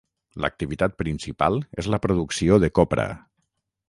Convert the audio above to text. L'activitat principal és la producció de copra.